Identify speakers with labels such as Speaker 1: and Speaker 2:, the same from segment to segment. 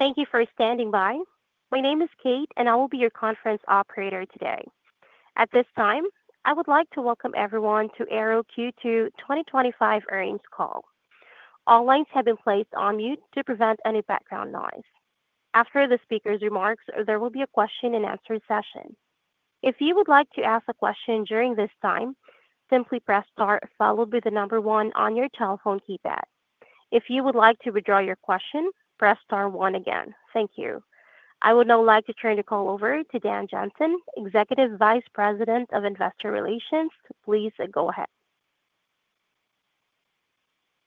Speaker 1: Thank you for standing by. My name is Kate, and I will be your conference operator today. At this time, I would like to welcome everyone to the AIRO Q2 2025 earnings call. All lines have been placed on mute to prevent any background noise. After the speaker's remarks, there will be a question and answer session. If you would like to ask a question during this time, simply press Star, followed by the number one on your telephone keypad. If you would like to withdraw your question, press Star One again. Thank you. I would now like to turn the call over to Dan Johnson, Executive Vice President of Investor Relations. Please go ahead.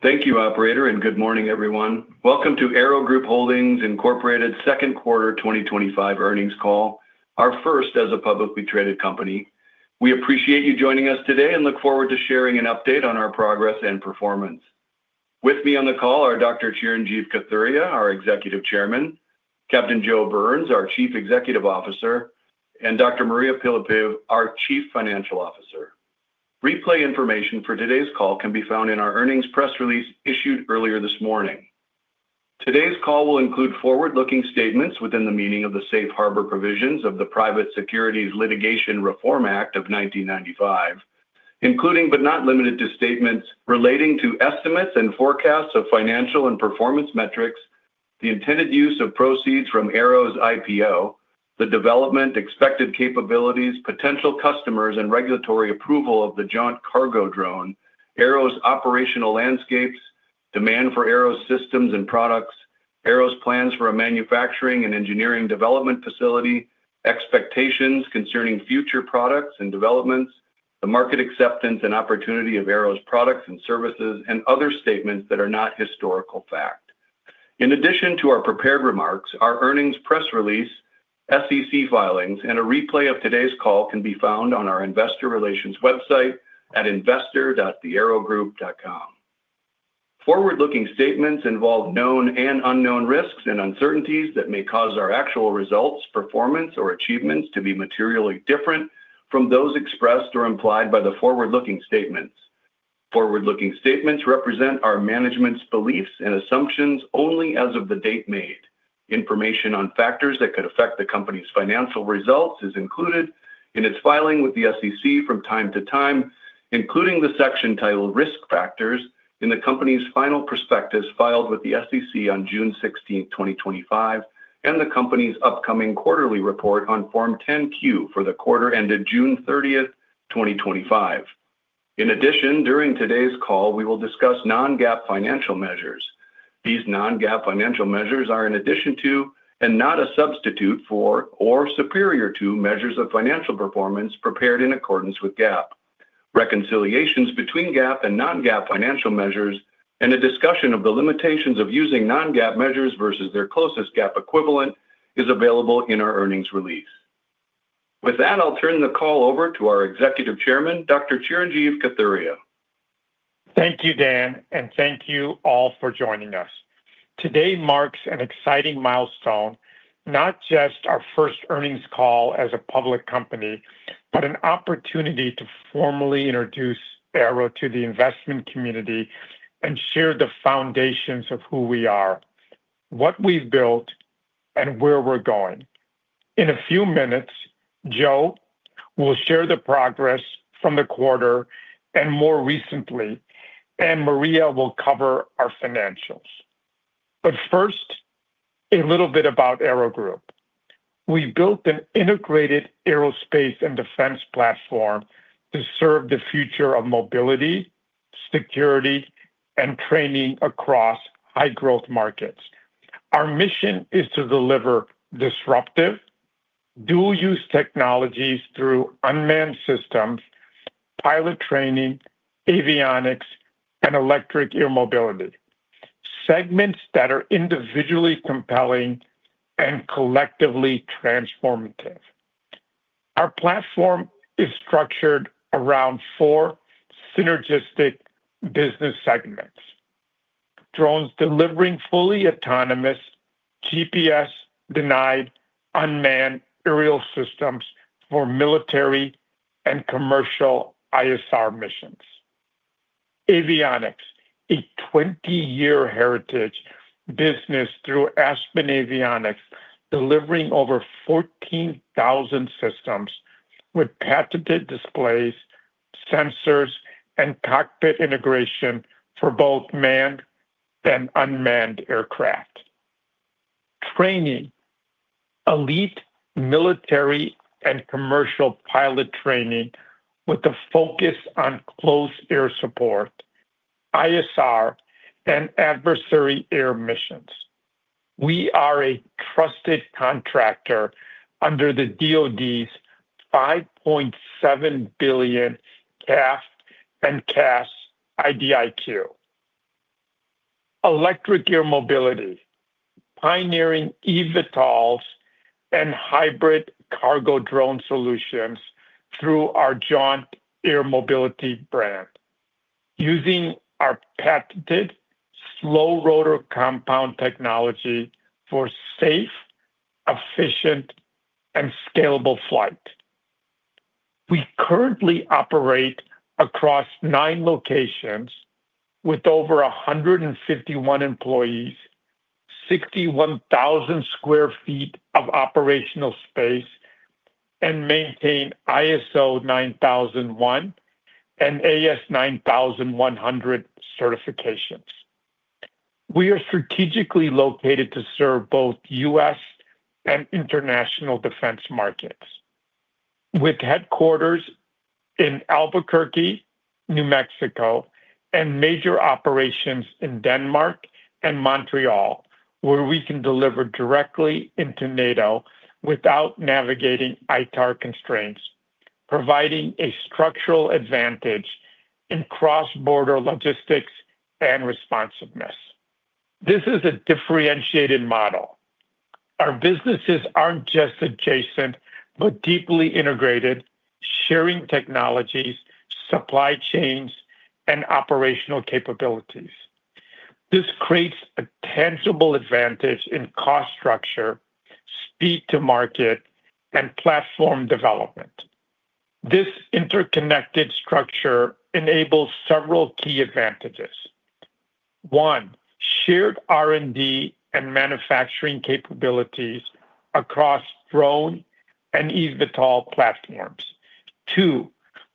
Speaker 2: Thank you, Operator, and good morning, everyone. Welcome to AIRO Group Holdings Inc Corporate second quarter 2025 earnings call, our first as a publicly traded company. We appreciate you joining us today and look forward to sharing an update on our progress and performance. With me on the call are Dr. Chirinjeev Kathuria, our Executive Chairman, Captain Joe Burns, our Chief Executive Officer, and Dr. Mariya Pylypiv, our Chief Financial Officer. Replay information for today's call can be found in our earnings press release issued earlier this morning. Today's call will include forward-looking statements within the meaning of the Safe Harbor provisions of the Private Securities Litigation Reform Act of 1995, including but not limited to statements relating to estimates and forecasts of financial and performance metrics, the intended use of proceeds from AIRO's IPO, the development, expected capabilities, potential customers, and regulatory approval of the Jaunt cargo drone, AIRO's operational landscapes, demand for AIRO's systems and products, AIRO's plans for a manufacturing and engineering development facility, expectations concerning future products and developments, the market acceptance and opportunity of AIRO's products and services, and other statements that are not historical fact. In addition to our prepared remarks, our earnings press release, SEC filings, and a replay of today's call can be found on our Investor Relations website at investor.airogroup.com. Forward-looking statements involve known and unknown risks and uncertainties that may cause our actual results, performance, or achievements to be materially different from those expressed or implied by the forward-looking statements. Forward-looking statements represent our management's beliefs and assumptions only as of the date made. Information on factors that could affect the company's financial results is included in its filing with the SEC from time to time, including the section titled Risk Factors in the company's final prospectus filed with the SEC on June 16, 2025, and the company's upcoming quarterly report on Form 10-Q for the quarter ended June 30, 2025. In addition, during today's call, we will discuss non-GAAP financial measures. These non-GAAP financial measures are, in addition to, and not a substitute for, or superior to, measures of financial performance prepared in accordance with GAAP. Reconciliations between GAAP and non-GAAP financial measures, and a discussion of the limitations of using non-GAAP measures versus their closest GAAP equivalent, is available in our earnings release. With that, I'll turn the call over to our Executive Chairman, Dr. Chirinjeev Kathuria.
Speaker 3: Thank you, Dan, and thank you all for joining us. Today marks an exciting milestone, not just our first earnings call as a public company, but an opportunity to formally introduce AIRO to the investment community and share the foundations of who we are, what we've built, and where we're going. In a few minutes, Joe will share the progress from the quarter and more recently, and Mariya will cover our financials. First, a little bit about AIRO Group. We built an integrated aerospace and defense platform to serve the future of mobility, security, and training across high-growth markets. Our mission is to deliver disruptive, dual-use technologies through unmanned systems, pilot training, avionics, and electric air mobility, segments that are individually compelling and collectively transformative. Our platform is structured around four synergistic business segments: drones delivering fully autonomous, GPS-denied, unmanned aerial systems for military and commercial ISR missions; avionics, a 20-year heritage business through Aspen Avionics, delivering over 14,000 systems with patented displays, sensors, and cockpit integration for both manned and unmanned aircraft; training, elite military and commercial pilot training with a focus on close air support, ISR, and adversary air missions. We are a trusted contractor under the DoD's $5.7 billion CAF and CAS IDIQ. Electric air mobility, pioneering eVTOLs and hybrid cargo drone solutions through our Jaunt Air Mobility brand, using our patented slow rotor compound technology for safe, efficient, and scalable flight. We currently operate across nine locations with over 151 employees, 61,000 square feet of operational space, and maintain ISO 9001 and AS 9100 certifications. We are strategically located to serve both U.S. and international defense markets, with headquarters in Albuquerque, New Mexico, and major operations in Denmark and Montreal, where we can deliver directly into NATO without navigating ITAR constraints, providing a structural advantage in cross-border logistics and responsiveness. This is a differentiated model. Our businesses aren't just adjacent but deeply integrated, sharing technologies, supply chains, and operational capabilities. This creates a tangible advantage in cost structure, speed to market, and platform development. This interconnected structure enables several key advantages: one, shared R&D and manufacturing capabilities across drone and eVTOL platforms; two,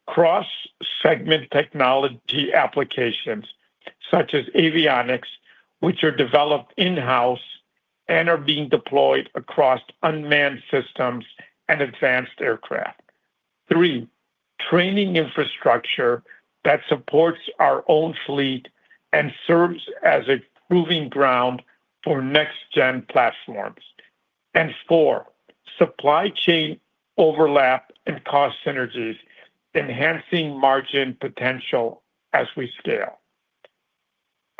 Speaker 3: cross-segment technology applications such as avionics, which are developed in-house and are being deployed across unmanned systems and advanced aircraft; three, training infrastructure that supports our own fleet and serves as a proving ground for next-gen platforms; and four, supply chain overlap and cost synergies, enhancing margin potential as we scale.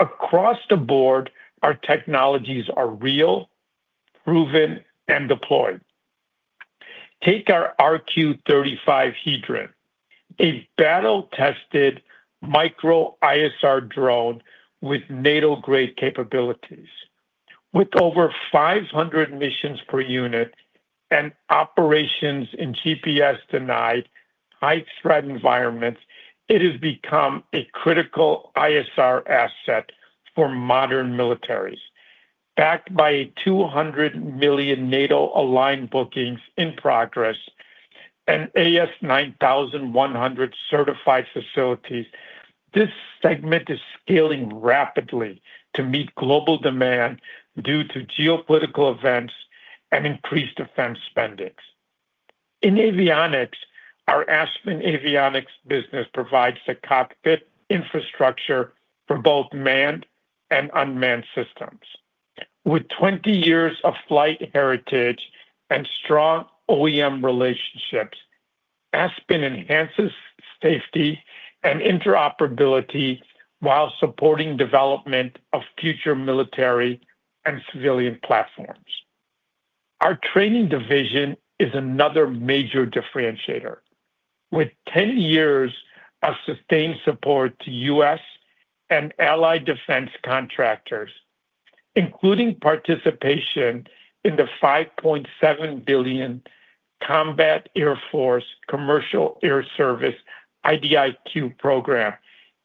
Speaker 3: Across the board, our technologies are real, proven, and deployed. Take our RQ-35 Hedron, a battle-tested micro-ISR drone with NATO-grade capabilities. With over 500 missions per unit and operations in GPS-denied, high-threat environments, it has become a critical ISR asset for modern militaries. Backed by $200 million NATO-aligned bookings in progress and AS9100 certified facilities, this segment is scaling rapidly to meet global demand due to geopolitical events and increased defense spending. In avionics, our Aspen Avionics business provides the cockpit infrastructure for both manned and unmanned systems. With 20 years of flight heritage and strong OEM relationships, Aspen enhances safety and interoperability while supporting development of future military and civilian platforms. Our training division is another major differentiator, with 10 years of sustained support to U.S. and allied defense contractors, including participation in the $5.7 billion Combat Air Force Commercial Air Service IDIQ program.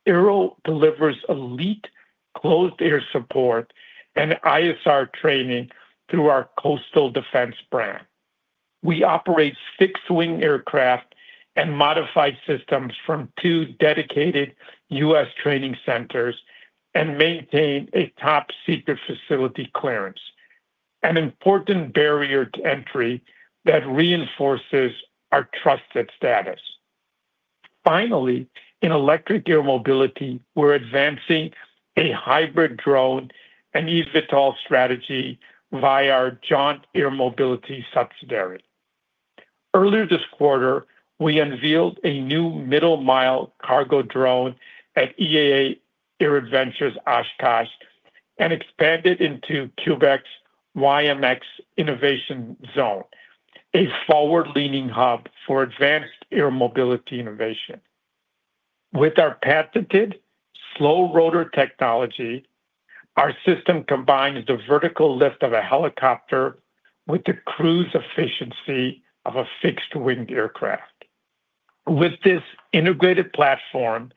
Speaker 3: AIRO delivers elite close air support and ISR training through our Coastal Defense brand. We operate six wing aircraft and modified systems from two dedicated U.S. training centers and maintain a top-secret facility clearance, an important barrier to entry that reinforces our trusted status. Finally, in electric air mobility, we're advancing a hybrid drone and eVTOL strategy via our Jaunt Air Mobility subsidiary. Earlier this quarter, we unveiled a new middle-mile cargo drone at EAA AirVenture Oshkosh and expanded into Quebec's YMX Innovation Zone, a forward-leaning hub for advanced air mobility innovation. With our patented slow rotor technology, our system combines the vertical lift of a helicopter with the cruise efficiency of a fixed-wing aircraft. With this integrated platform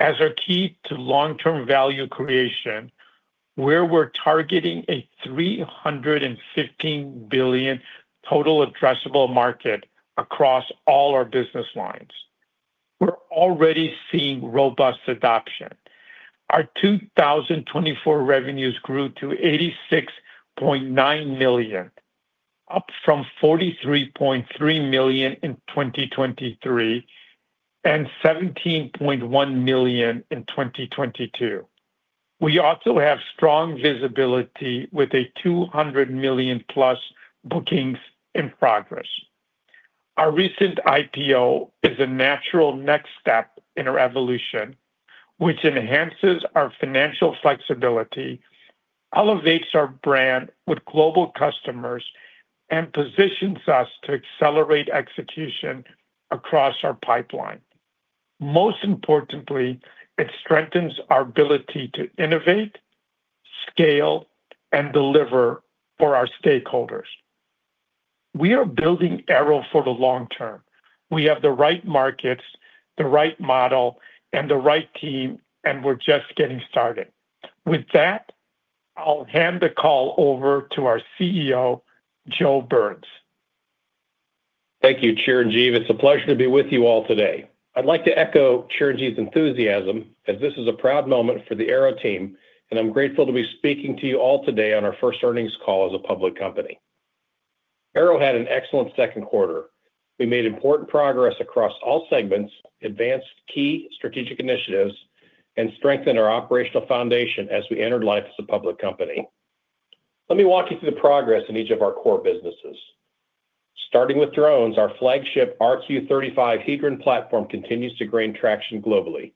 Speaker 3: as our key to long-term value creation, where we're targeting a $315 billion total addressable market across all our business lines, we're already seeing robust adoption. Our 2024 revenues grew to $86.9 million, up from $43.3 million in 2023 and $17.1 million in 2022. We also have strong visibility with a $200 million-plus bookings in progress. Our recent IPO is a natural next step in our evolution, which enhances our financial flexibility, elevates our brand with global customers, and positions us to accelerate execution across our pipeline. Most importantly, it strengthens our ability to innovate, scale, and deliver for our stakeholders. We are building AIRO for the long term. We have the right markets, the right model, and the right team, and we're just getting started. With that, I'll hand the call over to our CEO, Captain Joe Burns.
Speaker 4: Thank you, Chirinjeev. It's a pleasure to be with you all today. I'd like to echo Chirinjeev's enthusiasm as this is a proud moment for the AIRO team, and I'm grateful to be speaking to you all today on our first earnings call as a public company. AIRO had an excellent second quarter. We made important progress across all segments, advanced key strategic initiatives, and strengthened our operational foundation as we entered life as a public company. Let me walk you through the progress in each of our core businesses. Starting with drones, our flagship RQ-35 Hedron platform continues to gain traction globally.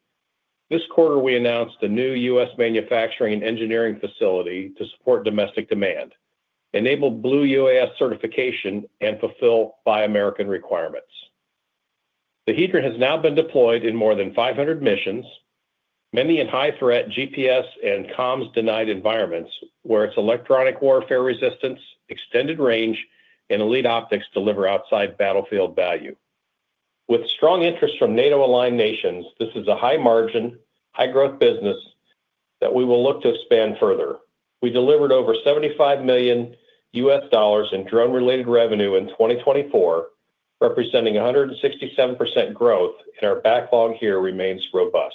Speaker 4: This quarter, we announced the new U.S. manufacturing and engineering facility to support domestic demand, enable Blue UAS certification, and fulfill Buy American requirements. The Hedron has now been deployed in more than 500 missions, many in high-threat, GPS-denied environments where its electronic warfare resistance, extended range, and elite optics deliver outside battlefield value. With strong interest from NATO-aligned nations, this is a high-margin, high-growth business that we will look to expand further. We delivered over $75 million in drone-related revenue in 2024, representing 167% growth, and our backlog here remains robust.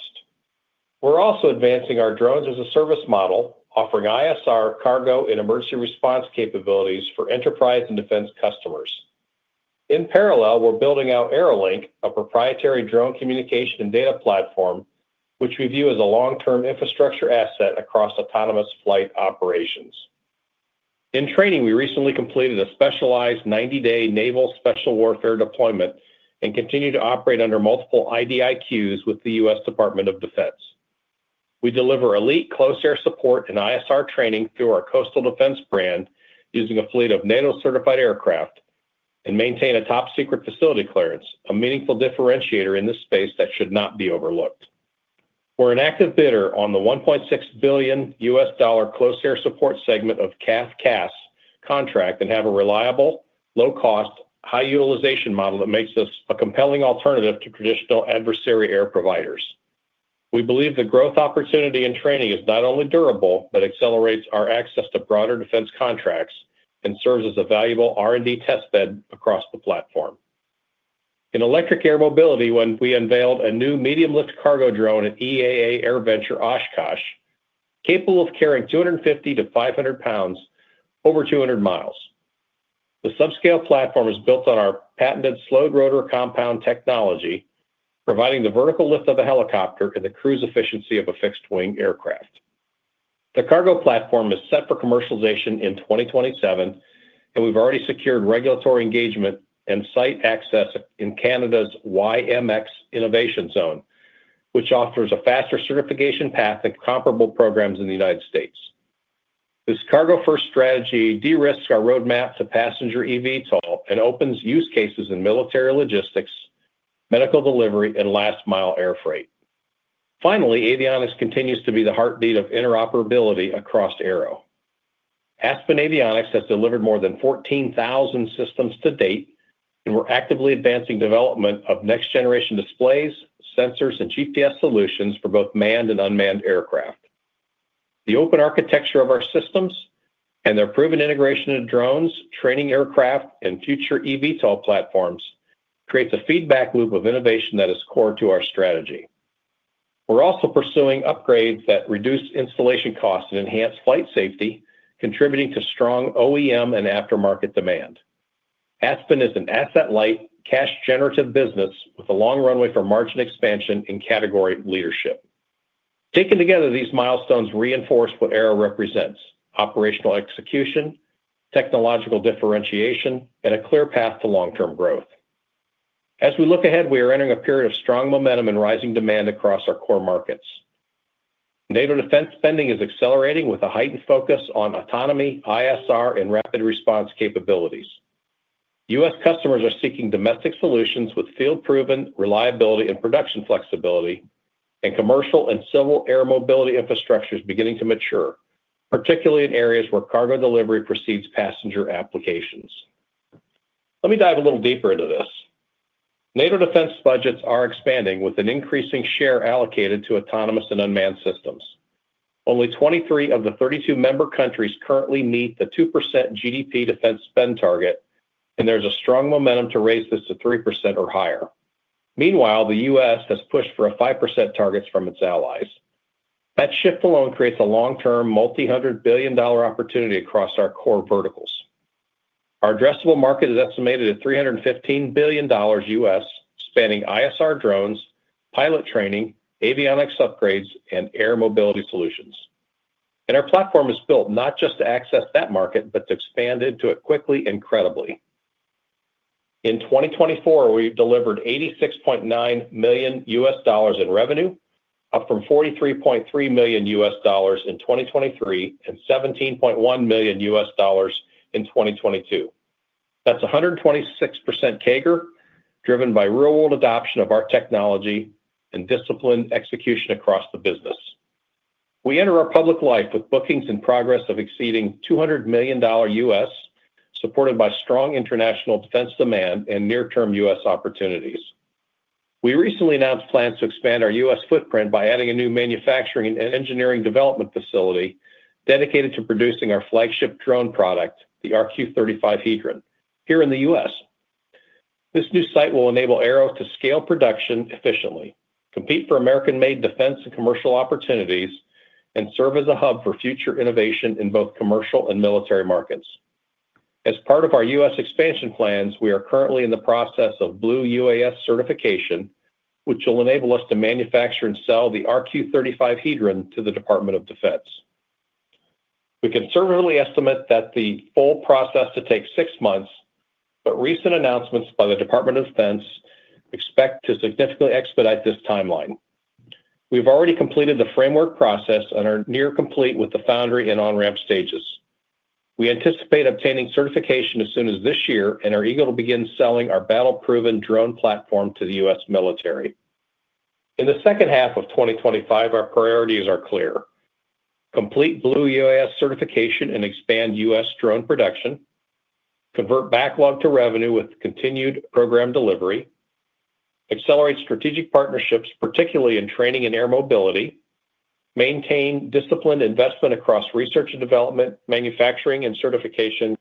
Speaker 4: We're also advancing our drones as a service model, offering ISR, cargo, and emergency response capabilities for enterprise and defense customers. In parallel, we're building out Aerolink, a proprietary drone communication and data platform, which we view as a long-term infrastructure asset across autonomous flight operations. In training, we recently completed a specialized 90-day naval special warfare deployment and continue to operate under multiple IDIQs with the U.S. Department of Defense. We deliver elite close air support and ISR training through our Coastal Defense brand, using a fleet of NATO-certified aircraft, and maintain a top-secret facility clearance, a meaningful differentiator in this space that should not be overlooked. We're an active bidder on the $1.6 billion close air support segment of CAF CAS contract and have a reliable, low-cost, high-utilization model that makes us a compelling alternative to traditional adversary air providers. We believe the growth opportunity in training is not only durable but accelerates our access to broader defense contracts and serves as a valuable R&D testbed across the platform. In electric air mobility, when we unveiled a new medium-lift cargo drone at EAA Air Venture Oshkosh, capable of carrying €250-€500 pounds over 200 miles, the subscale platform is built on our patented slowed rotor compound technology, providing the vertical lift of a helicopter and the cruise efficiency of a fixed-wing aircraft. The cargo platform is set for commercialization in 2027, and we've already secured regulatory engagement and site access in Canada's YMX Innovation Zone, which offers a faster certification path than comparable programs in the U.S. This cargo-first strategy de-risked our roadmap to passenger eVTOL and opens use cases in military logistics, medical delivery, and last-mile air freight. Finally, avionics continues to be the heartbeat of interoperability across AIRO. Aspen Avionics has delivered more than 14,000 systems to date and we're actively advancing development of next-generation displays, sensors, and GPS solutions for both manned and unmanned aircraft. The open architecture of our systems and their proven integration into drones, training aircraft, and future eVTOL platforms creates a feedback loop of innovation that is core to our strategy. We're also pursuing upgrades that reduce installation costs and enhance flight safety, contributing to strong OEM and aftermarket demand. Aspen is an asset-light, cash-generative business with a long runway for margin expansion and category leadership. Taken together, these milestones reinforce what AIRO represents: operational execution, technological differentiation, and a clear path to long-term growth. As we look ahead, we are entering a period of strong momentum and rising demand across our core markets. NATO defense spending is accelerating with a heightened focus on autonomy, ISR, and rapid response capabilities. U.S. customers are seeking domestic solutions with field-proven reliability and production flexibility, and commercial and civil air mobility infrastructure is beginning to mature, particularly in areas where cargo delivery precedes passenger applications. Let me dive a little deeper into this. NATO defense budgets are expanding with an increasing share allocated to autonomous and unmanned systems. Only 23 of the 32 member countries currently meet the 2% GDP defense spend target, and there's a strong momentum to raise this to 3% or higher. Meanwhile, the U.S. has pushed for a 5% target from its allies. That shift alone creates a long-term, multi-hundred billion dollar opportunity across our core verticals. Our addressable market is estimated at $315 billion U.S., spanning ISR drones, pilot training, avionics upgrades, and air mobility solutions. Our platform is built not just to access that market but to expand into it quickly and credibly. In 2024, we delivered $86.9 million U.S. in revenue, up from $43.3 million U.S. in 2023 and $17.1 million U.S. in 2022. That's 126% CAGR, driven by real-world adoption of our technology and disciplined execution across the business. We enter our public life with bookings in progress of exceeding $200 million U.S., supported by strong international defense demand and near-term U.S. opportunities. We recently announced plans to expand our U.S. footprint by adding a new manufacturing and engineering development facility dedicated to producing our flagship drone product, the RQ-35 Hedron, here in the U.S. This new site will enable AIRO to scale production efficiently, compete for American-made defense and commercial opportunities, and serve as a hub for future innovation in both commercial and military markets. As part of our U.S. expansion plans, we are currently in the process of Blue UAS certification, which will enable us to manufacture and sell the RQ-35 Hedron to the U.S. Department of Defense. We conservatively estimate that the full process will take six months, but recent announcements by the Department of Defense expect to significantly expedite this timeline. We've already completed the framework process and are near complete with the foundry and on-ramp stages. We anticipate obtaining certification as soon as this year and are eager to begin selling our battle-proven drone platform to the U.S. military. In the second half of 2025, our priorities are clear: complete Blue UAS certification and expand U.S. drone production, convert backlog to revenue with continued program delivery, accelerate strategic partnerships, particularly in training and air mobility, maintain disciplined investment across R&D, manufacturing, and certification,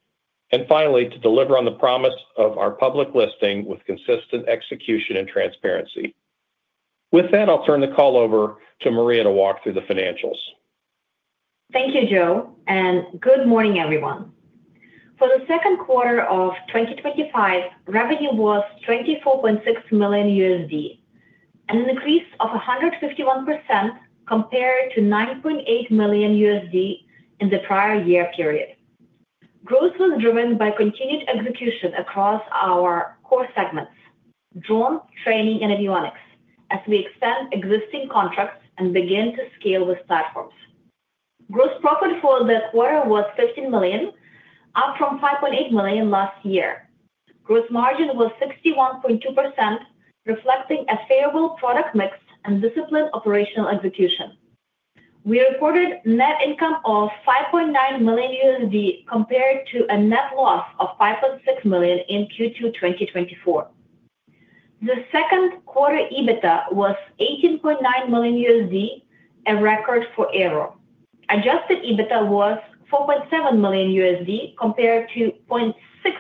Speaker 4: and finally, deliver on the promise of our public listing with consistent execution and transparency. With that, I'll turn the call over to Mariya to walk through the financials.
Speaker 5: Thank you, Joe, and good morning, everyone. For the second quarter of 2025, revenue was $24.6 million, an increase of 151% compared to $9.8 million in the prior year period. Growth was driven by continued execution across our core segments: drone, training, and avionics, as we expand existing contracts and begin to scale with platforms. Gross profit for the quarter was $15 million, up from $5.8 million last year. Gross margin was 61.2%, reflecting a favorable product mix and disciplined operational execution. We reported a net income of $5.9 million compared to a net loss of $5.6 million in Q2 2024. The second quarter EBITDA was $18.9 million, a record for AIRO Group Holdings Inc. Adjusted EBITDA was $4.7 million compared to $0.6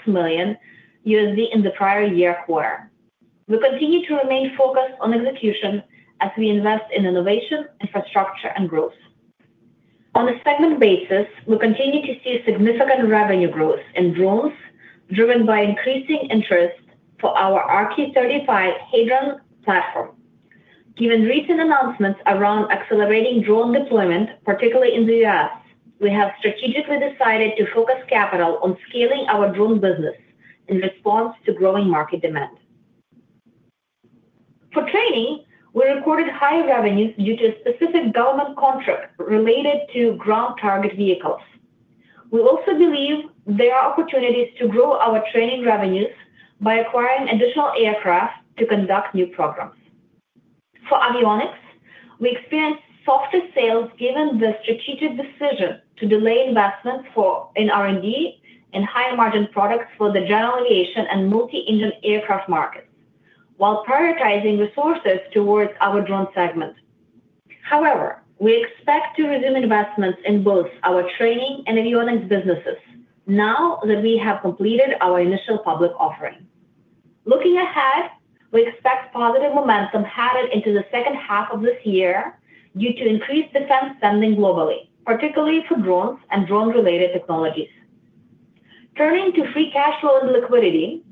Speaker 5: million in the prior year quarter. We continue to remain focused on execution as we invest in innovation, infrastructure, and growth. On a segment basis, we continue to see significant revenue growth in drones, driven by increasing interest for our RQ-35 Hedron platform. Given recent announcements around accelerating drone deployment, particularly in the U.S., we have strategically decided to focus capital on scaling our drone business in response to growing market demand. For training, we recorded high revenues due to a specific government contract related to ground target vehicles. We also believe there are opportunities to grow our training revenues by acquiring additional aircraft to conduct new programs. For avionics, we experienced softer sales given the strategic decision to delay investment in R&D and higher margin products for the general aviation and multi-engine aircraft market, while prioritizing resources towards our drone segment. However, we expect to resume investments in both our training and avionics businesses now that we have completed our initial public offering. Looking ahead, we expect positive momentum headed into the second half of this year due to increased defense spending globally, particularly for drones and drone-related technologies. Turning to free cash flow and liquidity,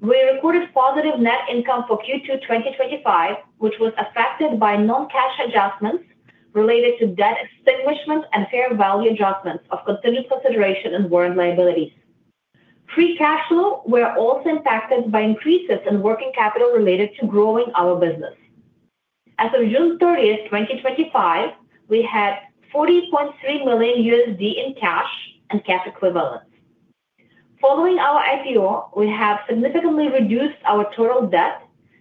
Speaker 5: we recorded positive net income for Q2 2025, which was affected by non-cash adjustments related to debt extinguishment and fair value adjustment of contingent consideration and warrant liabilities. Free cash flow was also impacted by increases in working capital related to growing our business. As of June 30, 2025, we had $40.3 million in cash and cash equivalents. Following our IPO, we have significantly reduced our total debt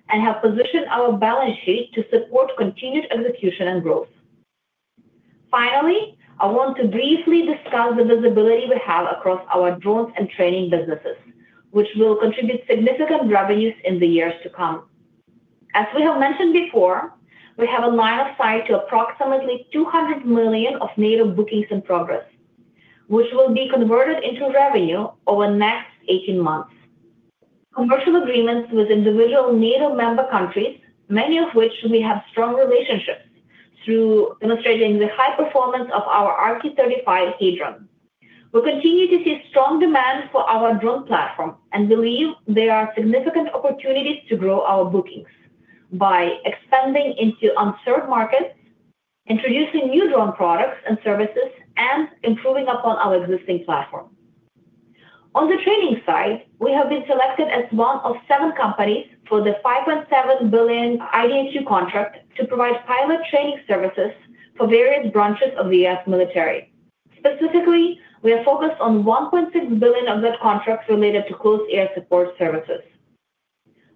Speaker 5: and have positioned our balance sheet to support continued execution and growth. Finally, I want to briefly discuss the visibility we have across our drone and training businesses, which will contribute significant revenues in the years to come. As we have mentioned before, we have a line of sight to approximately $200 million of NATO bookings in progress, which will be converted into revenue over the next 18 months. Commercial agreements with individual NATO member countries, many of which we have strong relationships through demonstrating the high performance of our RQ-35 Hedron. We continue to see strong demand for our drone platform and believe there are significant opportunities to grow our bookings by expanding into uncertain markets, introducing new drone products and services, and improving upon our existing platform. On the training side, we have been selected as one of seven companies for the $5.7 billion IDIQ contract to provide pilot training services for various branches of the U.S. military. Specifically, we are focused on $1.6 billion of that contract related to close air support services.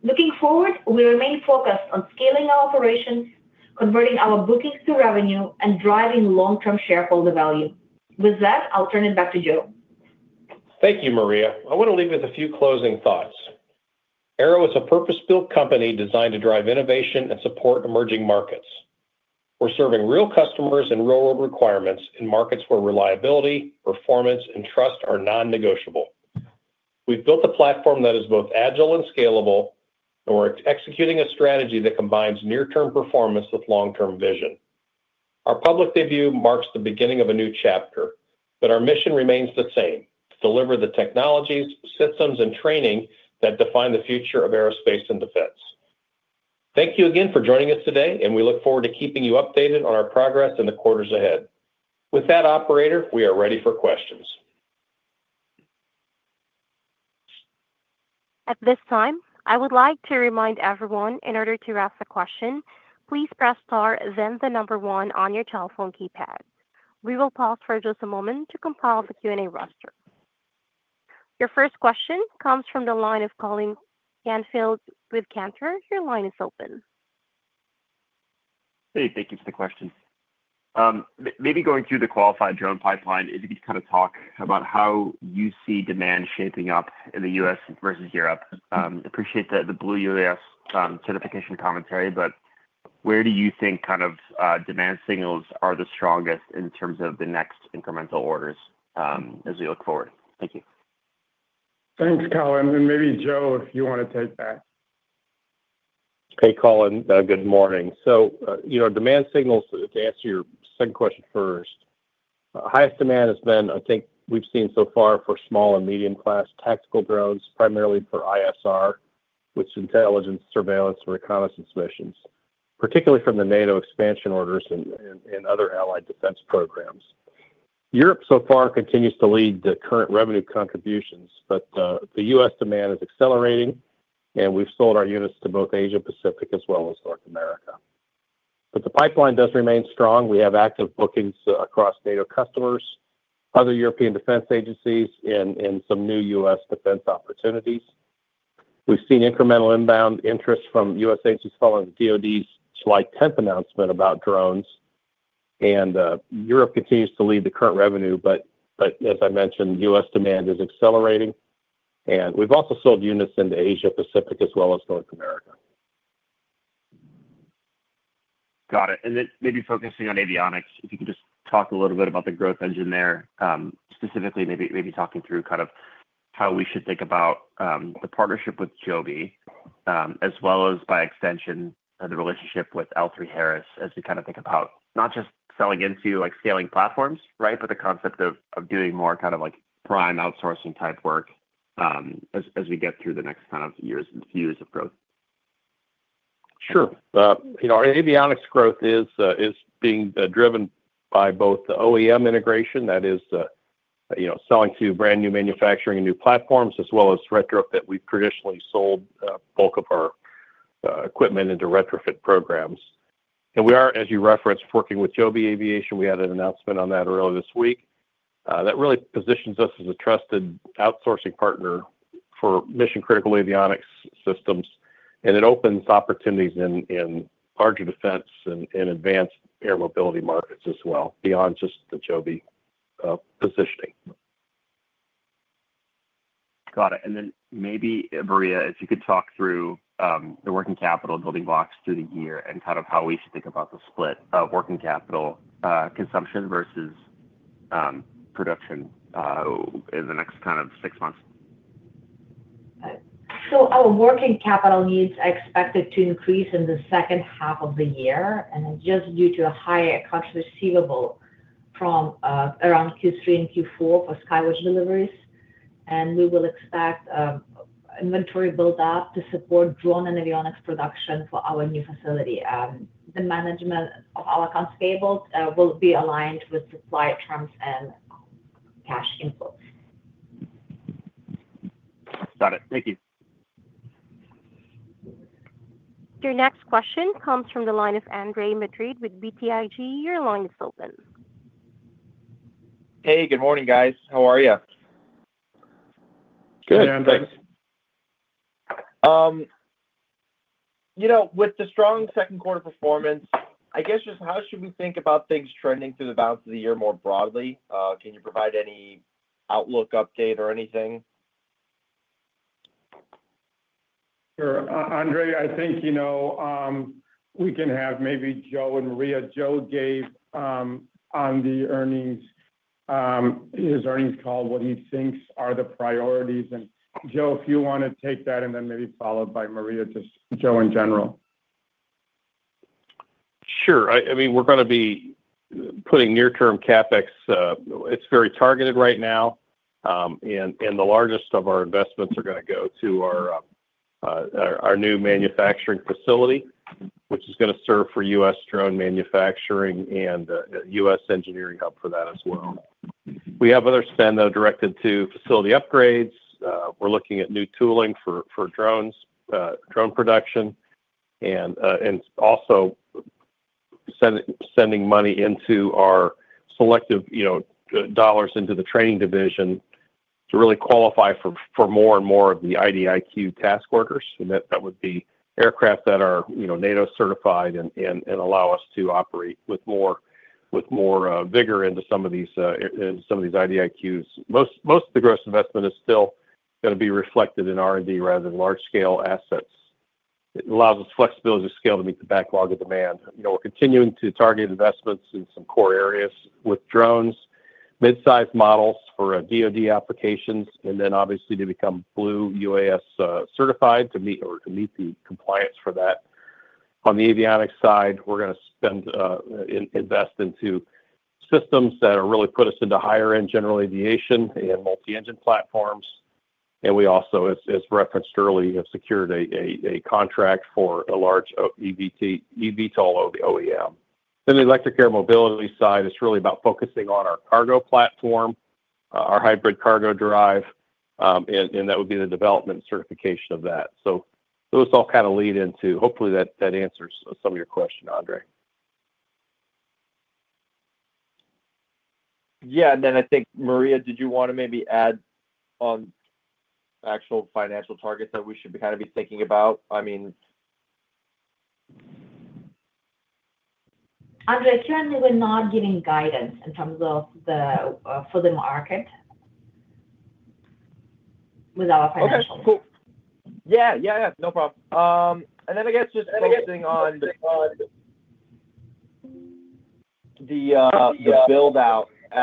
Speaker 5: Looking forward, we remain focused on scaling our operations, converting our bookings to revenue, and driving long-term shareholder value. With that, I'll turn it back to Joe.
Speaker 4: Thank you, Mariya. I want to leave with a few closing thoughts. AIRO is a purpose-built company designed to drive innovation and support emerging markets. We're serving real customers and real-world requirements in markets where reliability, performance, and trust are non-negotiable. We've built a platform that is both agile and scalable, and we're executing a strategy that combines near-term performance with long-term vision. Our public debut marks the beginning of a new chapter, but our mission remains the same: to deliver the technologies, systems, and training that define the future of aerospace and defense. Thank you again for joining us today, and we look forward to keeping you updated on our progress in the quarters ahead. With that, Operator, we are ready for questions.
Speaker 1: At this time, I would like to remind everyone, in order to ask a question, please press Star, then the number one on your telephone keypad. We will pause for just a moment to compile the Q&A roster. Your first question comes from the line of Colin Canfield with Cantor. Your line is open.
Speaker 6: Hey, thank you for the questions. Maybe going through the qualified drone pipeline, if you could kind of talk about how you see demand shaping up in the U.S. versus Europe. I appreciate the Blue UAS certification commentary, but where do you think kind of demand signals are the strongest in terms of the next incremental orders as we look forward? Thank you.
Speaker 3: Thanks, Colin. Maybe Joe, you want to take that.
Speaker 4: Hey, Colin, good morning. Demand signals, to answer your second question first, highest demand has been, I think, we've seen so far for small and medium class tactical drones, primarily for ISR, which is intelligence, surveillance, and reconnaissance missions, particularly from the NATO expansion orders and other allied defense programs. Europe so far continues to lead the current revenue contributions, but the U.S. demand is accelerating, and we've sold our units to both Asia Pacific as well as North America. The pipeline does remain strong. We have active bookings across NATO customers, other European defense agencies, and some new U.S. defense opportunities. We've seen incremental inbound interest from U.S. agencies following the U.S. Department of Defense's July 10th announcement about drones, and Europe continues to lead the current revenue. As I mentioned, U.S. demand is accelerating, and we've also sold units into Asia Pacific as well as North America.
Speaker 6: Got it. Maybe focusing on avionics, if you could just talk a little bit about the growth engine there, specifically maybe talking through kind of how we should think about the partnership with Joby Aviation, as well as by extension, the relationship with L3 Harris as we kind of think about not just selling into scaling platforms, right, but the concept of doing more kind of like prime outsourcing type work as we get through the next years and few years of growth.
Speaker 4: Sure. You know, our avionics growth is being driven by both the OEM integration, that is, you know, selling to brand new manufacturing and new platforms, as well as retrofitting. We've traditionally sold the bulk of our equipment into retrofit programs. We are, as you referenced, working with Joby Aviation. We had an announcement on that earlier this week. That really positions us as a trusted outsourcing partner for mission-critical avionics systems, and it opens opportunities in larger defense and advanced air mobility markets as well, beyond just the Joby positioning.
Speaker 6: Got it. Maybe, Mariya, if you could talk through the working capital building blocks through the year and kind of how we should think about the split of working capital consumption versus production in the next kind of six months.
Speaker 5: Our working capital needs are expected to increase in the second half of the year, and it's just due to a higher cost receivable from around Q3 and Q4 for SkyWatch deliveries. We will expect inventory buildup to support drone and avionics production for our new facility. The management of our cost cable will be aligned with supply terms and cash inflows.
Speaker 6: Got it. Thank you.
Speaker 1: Your next question comes from the line of Andre Madrid with BTIG. Your line is open.
Speaker 7: Hey, good morning, guys. How are you?
Speaker 4: Good, thanks.
Speaker 7: With the strong second quarter performance, I guess just how should we think about things trending through the balance of the year more broadly? Can you provide any outlook update or anything?
Speaker 4: Sure. Andre, I think, you know, we can have maybe Joe and Mariya. Joe gave on the earnings, his earnings call what he thinks are the priorities. Joe, if you want to take that and then maybe followed by Mariya to Joe in general.
Speaker 3: Sure. I mean, we're going to be putting near-term CapEx. It's very targeted right now, and the largest of our investments are going to go to our new manufacturing facility, which is going to serve for U.S. drone manufacturing and a U.S. engineering hub for that as well. We have other spend that are directed to facility upgrades. We're looking at new tooling for drones, drone production, and also sending money into our selective, you know, dollars into the training division to really qualify for more and more of the IDIQ task orders. That would be aircraft that are, you know, NATO certified and allow us to operate with more vigor into some of these IDIQs. Most of the gross investment is still going to be reflected in R&D rather than large-scale assets. It allows us flexibility to scale to meet the backlog of demand. We're continuing to target investments in some core areas with drones, mid-size models for DoD applications, and obviously to become Blue UAS certified to meet the compliance for that. On the avionics side, we're going to spend and invest into systems that really put us into higher-end general aviation and multi-engine platforms. We also, as referenced earlier, have secured a contract for a large eVTOL OEM. The electric air mobility side is really about focusing on our cargo platform, our hybrid cargo drive, and that would be the development and certification of that. Those all kind of lead into, hopefully, that answers some of your question, Andrey.
Speaker 7: Yeah. I think, Mariya, did you want to maybe add on actual financial targets that we should kind of be thinking about? I mean.
Speaker 5: Currently, we're not getting guidance in terms of the for the market with our financials.
Speaker 7: Okay. No problem. I guess just focusing on the build-out at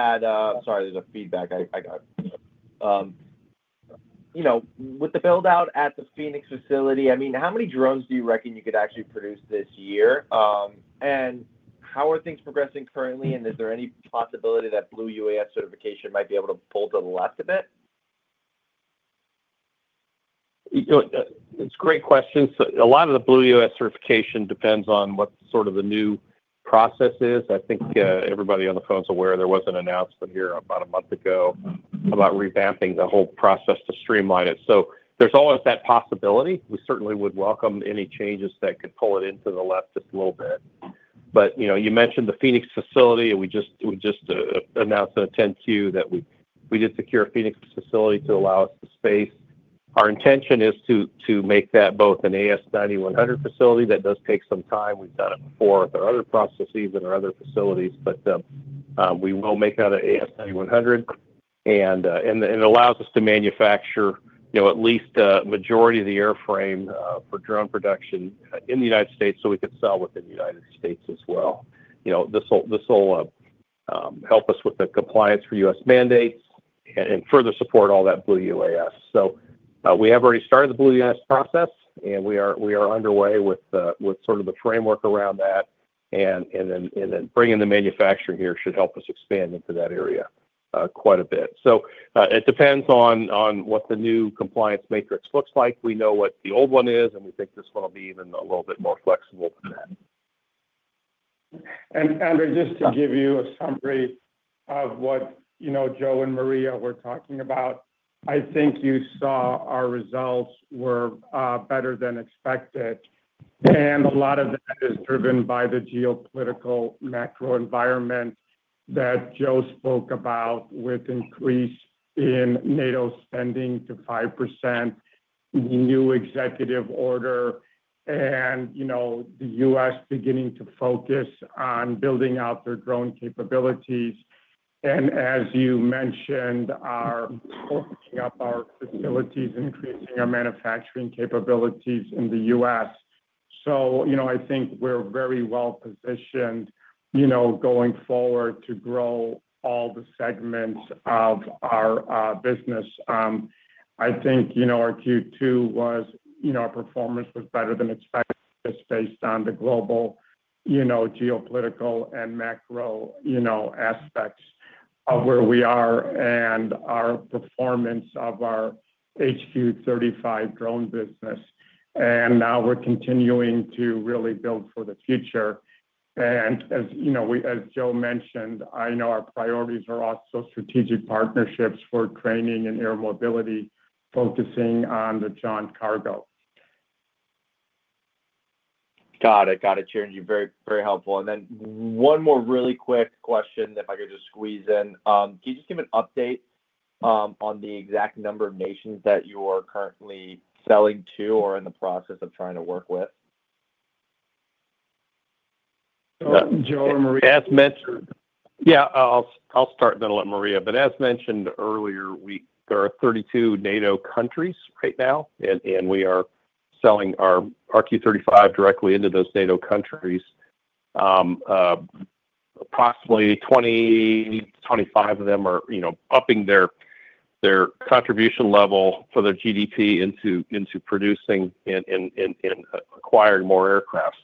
Speaker 7: the Phoenix facility, how many drones do you reckon you could actually produce this year? How are things progressing currently, and is there any possibility that Blue UAS certification might be able to pull to the left a bit?
Speaker 4: It's a great question. A lot of the Blue UAS certification depends on what sort of the new process is. I think everybody on the phone is aware there was an announcement here about a month ago about revamping the whole process to streamline it. There's always that possibility. We certainly would welcome any changes that could pull it into the left just a little bit. You mentioned the Phoenix facility, and we just announced a 10-Q that we did secure a Phoenix facility to allow us the space. Our intention is to make that both an AS 9100 facility. That does take some time. We've done it before with our other processes and our other facilities, but we will make it out of AS 9100. It allows us to manufacture at least a majority of the airframe for drone production in the U.S. so we could sell within the U.S. as well. This will help us with the compliance for U.S. mandates and further support all that Blue UAS. We have already started the Blue UAS process, and we are underway with the framework around that. Bringing the manufacturing here should help us expand into that area quite a bit. It depends on what the new compliance matrix looks like. We know what the old one is, and we think this one will be even a little bit more flexible than that.
Speaker 3: Andre, just to give you a summary of what you know Joe and Mariya were talking about, I think you saw our results were better than expected. A lot of that is driven by the geopolitical macro environment that Joe spoke about with increase in NATO spending to 5%, the new executive order, and the U.S. beginning to focus on building out their drone capabilities. As you mentioned, opening up our facilities and increasing our manufacturing capabilities in the U.S., I think we're very well positioned, going forward, to grow all the segments of our business. I think our Q2 was, our performance was better than expected just based on the global geopolitical and macro aspects of where we are and our performance of our RQ-35 Hedron drone business. Now we're continuing to really build for the future. As Joe mentioned, I know our priorities are also strategic partnerships for training and air mobility, focusing on the Jaunt cargo.
Speaker 7: Got it. Got it. Chirinjeev, very, very helpful. One more really quick question that if I could just squeeze in. Can you just give an update on the exact number of nations that you are currently selling to or in the process of trying to work with?
Speaker 4: Joe and Mariya. Yeah, I'll start and then let Mariya. As mentioned earlier, there are 32 NATO countries right now, and we are selling our RQ-35 Hedron directly into those NATO countries. Approximately 20, 25 of them are upping their contribution level for their GDP into producing and acquiring more aircraft.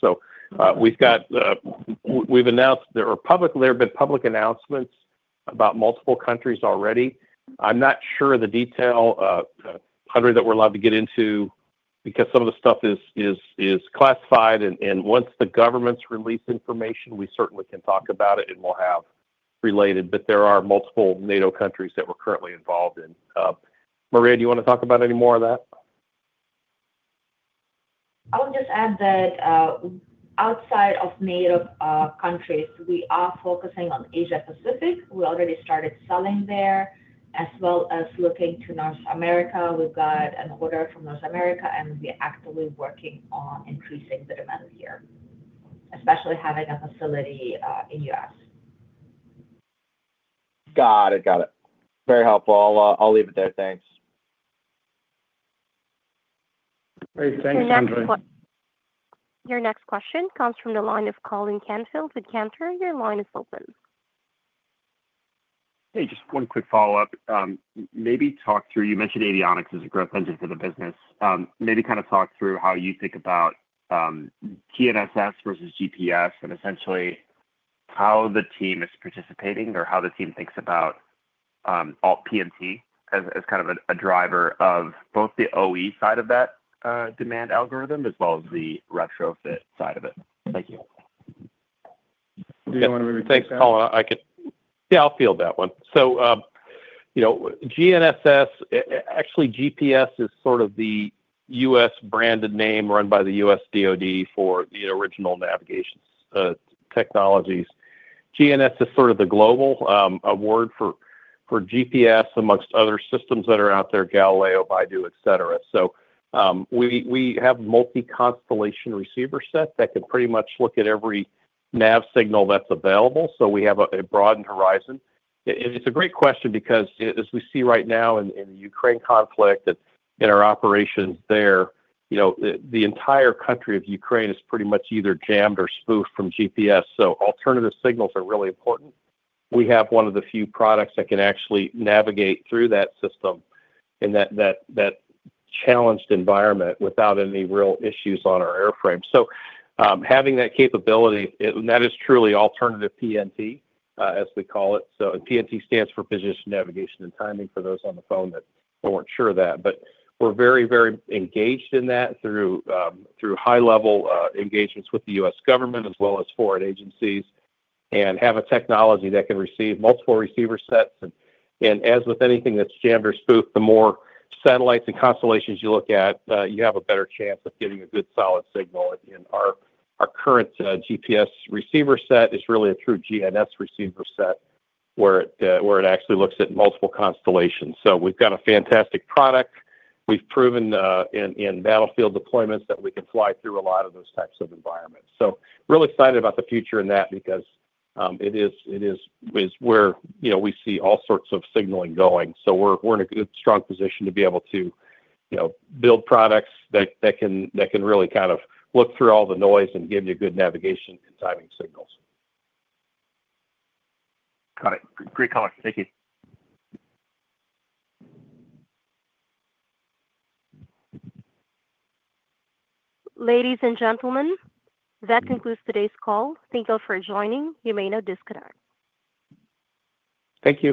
Speaker 4: We've announced, there have been public announcements about multiple countries already. I'm not sure the detail, Andrey, that we're allowed to get into because some of the stuff is classified. Once the government's released information, we certainly can talk about it and we'll have related, but there are multiple NATO countries that we're currently involved in. Mariya, do you want to talk about any more of that?
Speaker 5: I would just add that, outside of NATO countries, we are focusing on Asia Pacific. We already started selling there, as well as looking to North America. We've got an order from North America, and we're actively working on increasing the demand here, especially having a facility in the U.S.
Speaker 7: Got it. Very helpful. I'll leave it there. Thanks.
Speaker 4: Great. Thanks, Andre.
Speaker 1: Your next question comes from the line of Colin Canfield with Cantor. Your line is open.
Speaker 6: Hey, just one quick follow-up. Maybe talk through, you mentioned avionics as a growth engine for the business. Maybe kind of talk through how you think about TNSS versus GPS and essentially how the team is participating or how the team thinks about all PNT as kind of a driver of both the OE side of that demand algorithm as well as the retrofit side of it. Thank you.
Speaker 4: Do you want to maybe?
Speaker 3: Thanks, Colin. Yeah, I'll field that one. You know, GNSS, actually, GPS is sort of the U.S.-branded name run by the U.S. DoD for the original navigation technologies. GNSS is sort of the global word for GPS amongst other systems that are out there, Galileo, BeiDou, etc. We have a multi-constellation receiver set that can pretty much look at every nav signal that's available. We have a broadened horizon. It's a great question because as we see right now in the Ukraine conflict and in our operations there, the entire country of Ukraine is pretty much either jammed or spoofed from GPS. Alternative signals are really important. We have one of the few products that can actually navigate through that system in that challenged environment without any real issues on our airframe. Having that capability, and that is truly alternative PNT, as we call it. PNT stands for position, navigation, and timing for those on the phone that weren't sure of that. We're very, very engaged in that through high-level engagements with the U.S. government as well as foreign agencies and have a technology that can receive multiple receiver sets. As with anything that's jammed or spoofed, the more satellites and constellations you look at, you have a better chance of getting a good solid signal. Our current GPS receiver set is really a true GNSS receiver set where it actually looks at multiple constellations. We've got a fantastic product. We've proven in battlefield deployments that we can fly through a lot of those types of environments. Really excited about the future in that because it is where we see all sorts of signaling going. We're in a good, strong position to be able to build products that can really kind of look through all the noise and give you good navigation and timing signals.
Speaker 6: Got it. Great call. Thank you.
Speaker 1: Ladies and gentlemen, that concludes today's call. Thank you all for joining. You may now disconnect.
Speaker 6: Thank you.